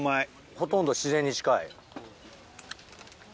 ほとんど自然に近い。